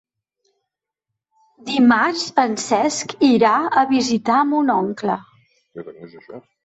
Dimarts en Cesc irà a visitar mon oncle.